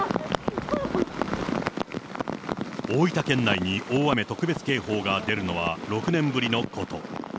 大分県内に大雨特別警報が出るのは６年ぶりのこと。